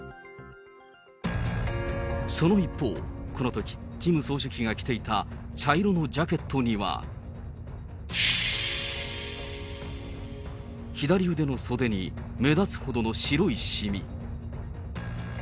その一方、このとき、キム総書記が着ていた茶色のジャケットには。左腕の袖に、目立つほどの白いしみ。